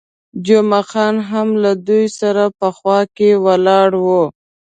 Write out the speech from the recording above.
جمعه خان هم له دوی سره په خوا کې ولاړ وو.